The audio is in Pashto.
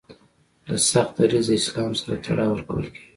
له سخت دریځه اسلام سره تړاو ورکول کیږي